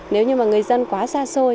nếu như mà người dân quá xa xôi